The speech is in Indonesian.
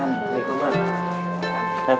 tadi sekolah dulu gak